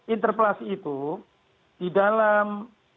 interpelasi itu di dalam